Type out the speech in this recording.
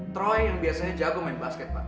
troy yang biasanya jago main basket pak